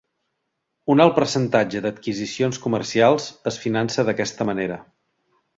Un alt percentatge d'adquisicions comercials es finança d'aquesta manera.